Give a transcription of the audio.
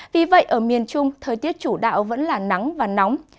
vì vậy ở miền trung thời tiết chủ đạo vẫn là nắng và nóng